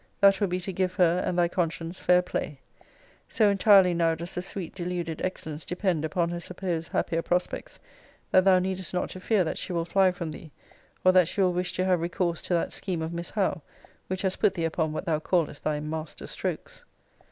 That will be to give her and thy conscience fair play. So entirely now does the sweet deluded excellence depend upon her supposed happier prospects, that thou needest not to fear that she will fly from thee, or that she will wish to have recourse to that scheme of Miss Howe, which has put thee upon what thou callest thy master strokes.